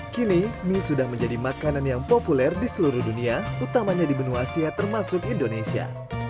kini mie sudah menjadi makanan yang populer di seluruh dunia utamanya di benua asia termasuk indonesia